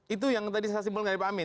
itu yang tadi saya simpel gak pahamin